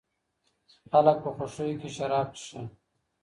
خلګ په خوښیو کي شراب څښي.